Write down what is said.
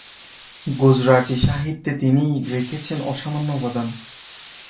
গুজরাটি সাহিত্যে তিনি রেখেছেন অসামান্য অবদান।